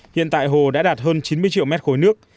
hiện tại hồ đã đạt hơn chín mươi triệu m ba nước